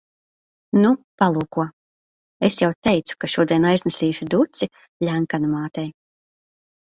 Nu, palūko. Es jau teicu, ka šodien aiznesīšu duci Ļenkanu mātei.